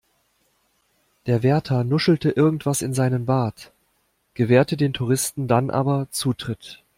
Der Wärter nuschelte irgendwas in seinen Bart, gewährte den Touristen dann aber Zutritt.